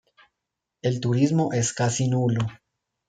El turismo es casi nulo.